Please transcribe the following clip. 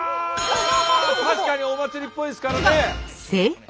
確かにお祭りっぽいですからね。